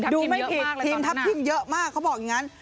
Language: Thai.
ไม่ผิดทีมทัพทิมเยอะมากเขาบอกอย่างนั้น